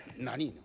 何？